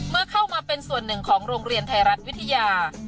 เมื่อเข้ามาเป็นส่วนหนึ่งของโรงเรียนไทยรัฐวิทยา